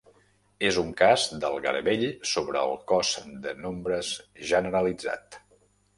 És un cas del garbell sobre el cos de nombres generalitzat.